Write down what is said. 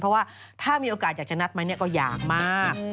เพราะว่าถ้ามีโอกาสอยากจะนัดไหมก็อยากมาก